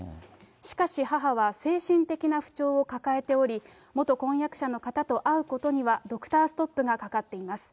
しかし母は精神的な不調を抱えており、元婚約者の方と会うことにはドクターストップがかかっています。